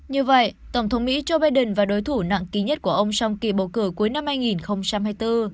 như vậy tổng thống mỹ joe biden và đối thủ nặng ký nhất của ông trong kỳ bầu cử cuối năm hai nghìn hai mươi bốn